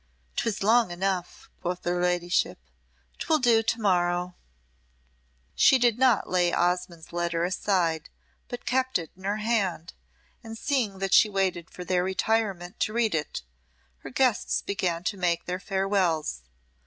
"'Twas long enough," quoth her ladyship. "'Twill do to morrow." She did not lay Osmonde's letter aside, but kept it in her hand, and seeing that she waited for their retirement to read it, her guests began to make their farewells.